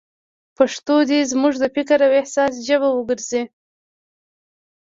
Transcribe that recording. پښتو دې زموږ د فکر او احساس ژبه وګرځي.